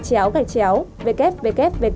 nhà đầu tư chỉ cần đăng nhập vào trang web